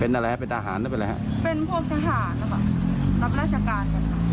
เป็นอะไรฮะเป็นทหารหรือเป็นอะไรฮะเป็นพวกทหารหรือเปล่ารับราชการ